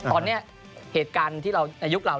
ตอนนี้ในยุคเรา